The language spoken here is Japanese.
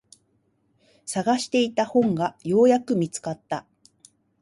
探していた本がようやく見つかった。